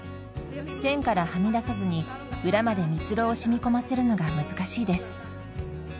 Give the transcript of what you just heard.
線からはみ出さずに裏までミツロウを染み込ませるのが難しいです。